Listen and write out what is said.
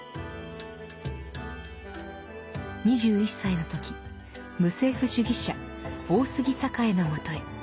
２１歳の時無政府主義者大杉栄の元へ。